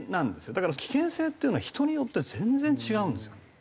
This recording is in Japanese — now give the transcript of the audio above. だから危険性っていうのは人によって全然違うんですよ。